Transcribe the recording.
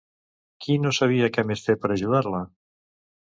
Qui no sabia què més fer per ajudar-la?